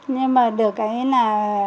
nhưng mà được cái là